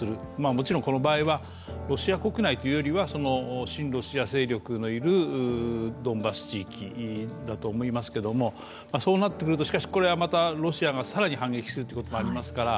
もちろん、この場合はロシア国内というよりは親ロシア勢力のいるドンバス地域だと思いますけどもそうなってくると、しかしこれはまたロシアが更に反撃するということもありますから